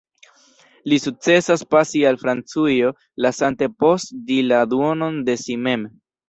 Li sukcesas pasi al Francujo, lasante post si la duonon de si mem.